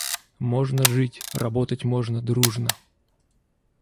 Можно жить, работать можно дружно.